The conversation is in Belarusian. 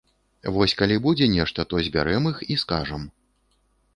Вось калі будзе нешта, то збярэм іх і скажам!